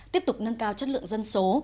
tiếp tục nâng cao chất lượng dân số